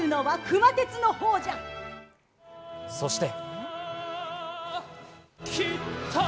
そして。